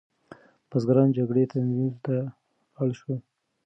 بزګران جګړې تمویل ته اړ شول.